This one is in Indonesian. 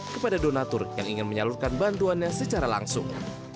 kepada donatur yang ingin menyalurkan bantuannya secara langsung